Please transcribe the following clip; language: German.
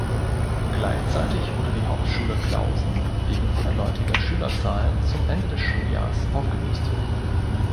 Gleichzeitig wurde die Hauptschule Klausen wegen rückläufiger Schülerzahlen zum Ende des Schuljahrs aufgelöst.